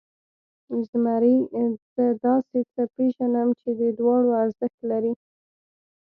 زمري، زه داسې څه پېژنم چې د دواړو ارزښت لري.